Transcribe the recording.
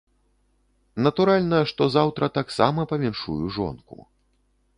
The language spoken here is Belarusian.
Натуральна, што заўтра таксама павіншую жонку.